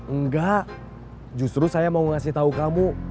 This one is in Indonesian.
enggak justru saya mau ngasih tahu kamu